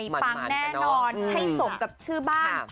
ปังแน่นอนให้สมกับชื่อบ้าน